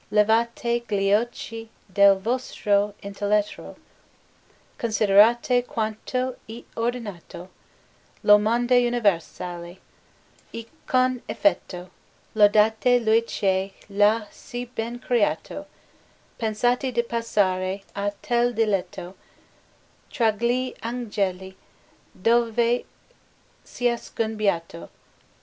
Levate gli occhi del vostro intelletto, Considerate quanto è ordinato Lo mondo universale; e con affetto Lodate lui che l'ha sì ben creato; Pensate di passare a tal diletto Tra gli Angeli, dov'è ciascun beato.